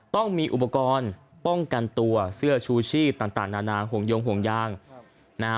ต้องมีอุปกรณ์ป้องกันตัวเสื้อชูชีพต่างนานาห่วงยงห่วงยางนะฮะ